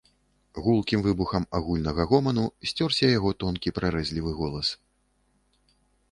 Гулкім выбухам агульнага гоману сцёрся яго тонкі прарэзлівы голас.